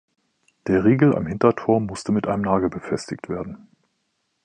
Der Riegel am Hintertor musste mit einem Nagel befestigt werden.